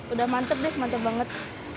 udah mantep deh mantep banget